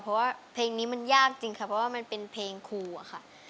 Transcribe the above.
เพราะว่าเพลงนี้มันยากจริงค่ะเพราะว่ามันเป็นเพลงครูอะค่ะ